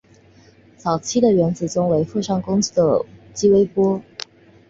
早期的原子钟为附上工具的激微波。